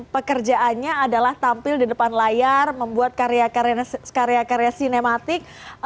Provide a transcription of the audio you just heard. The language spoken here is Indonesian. pekerjaannya adalah tampil di depan layar membuat karya karya sinematik